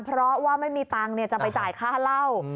เพราะว่าไม่มีตังค์จะไปจ่ายค่าเหล้า